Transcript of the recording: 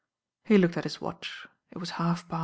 He looked at h., watch; it wa. half.pa.